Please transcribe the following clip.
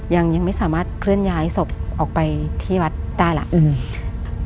ยังไม่สามารถเคลื่อนย้ายศพออกไปที่วัดได้แล้วอืม